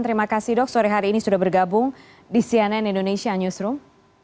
terima kasih dok sore hari ini sudah bergabung di cnn indonesia newsroom